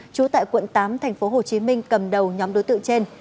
trú tại quận tám tp hcm cầm đầu nhóm đối tượng trên